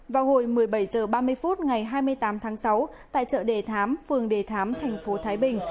vào hồi một mươi bảy h ba mươi phút ngày hai mươi tám tháng sáu tại chợ đề thám phường đề thám thành phố thái bình